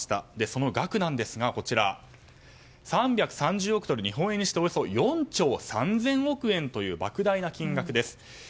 その額なんですが３３０億ドル、日本円にしておよそ４兆３０００億円という莫大な金額です。